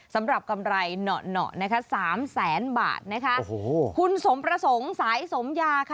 สำหรับกำไรหนอนะครับ๓๐๐๐๐๐บาทคุณสมประสงค์สายสมยาค่ะ